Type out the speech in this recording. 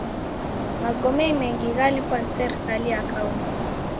Magome mengi ghalipwa ni serikai ya kaunti.